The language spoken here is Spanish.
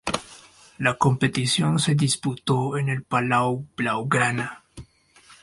La competición se disputó en el Palau Blaugrana.